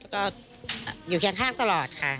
ก็อยู่แค่ข้างตลอดค่ะ